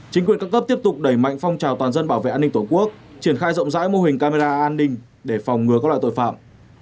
chính quyền các cấp tiếp tục đẩy mạnh phong trào toàn dân bảo vệ an ninh tổ quốc triển khai rộng rãi mô hình camera an ninh để phòng ngừa các loại tội phạm